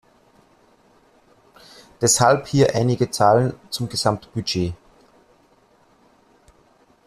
Deshalb hier einige Zahlen zum Gesamtbudget.